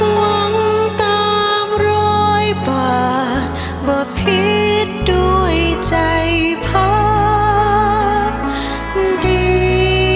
หวังตามร้อยป่ามาพิษด้วยใจพักดี